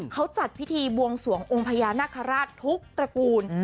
เขาจัดพิธีบวงสวงองค์พญานาคาราชทุกตระกูล